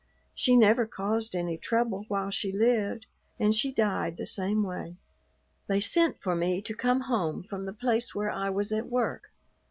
She never caused any trouble while she lived, and she died the same way. "They sent for me to come home from the place where I was at work.